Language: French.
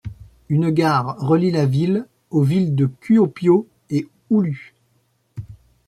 Une gare relie la ville aux villes de Kuopio et Oulu.